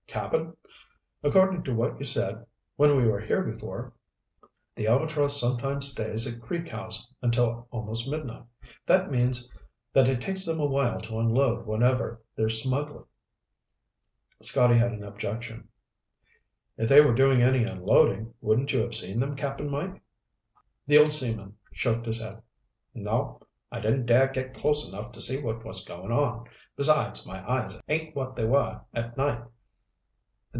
Cap'n, according to what you said when we were here before, the Albatross sometimes stays at Creek House until almost midnight. That means that it takes them awhile to unload whatever they're smuggling." Scotty had an objection. "If they were doing any unloading, wouldn't you have seen them, Cap'n Mike?" The old seaman shook his head. "Nope. I didn't dare get close enough to see what was going on. Besides, my eyes ain't what they were at night.